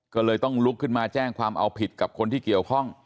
ก็เลยต้องลุกขึ้นมาแจ้งความเอาผิดกับคนที่เกี่ยวข้อง